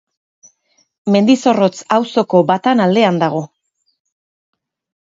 Mendizorrotz auzoko Batan aldean dago.